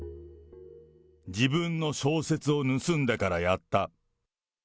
自分の小説を盗んだからやった。